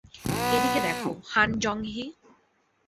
এদিকে দেখ, হান জং-হি।